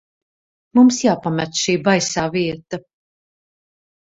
Mums jāpamet šī baisā vieta.